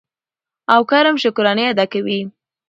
او کرم شکرانې ادا کوي.